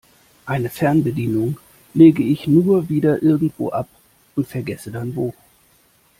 Eine Fernbedienung lege ich nur wieder irgendwo ab und vergesse dann wo.